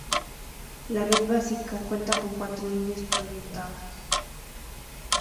La Red Básica cuenta con cuatro líneas proyectadas.